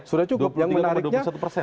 sudah cukup yang menariknya